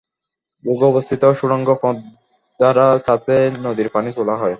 ভূগর্ভস্থিত সুড়ঙ্গ পথ দ্বারা তাতে নদীর পানি তোলা হয়।